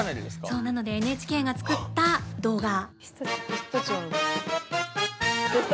そうなのでＮＨＫが作った動画。